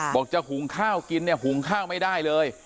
บอกจะหุงข้าวกินเนี่ยหุงข้าวไม่ได้เลย